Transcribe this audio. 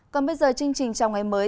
còn bây giờ chương trình chào ngày mới